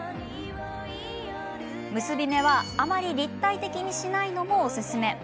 結び目は、あまり立体的にしないのもおすすめ。